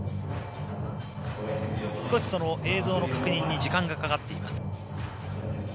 少し映像の確認に時間がかかっています。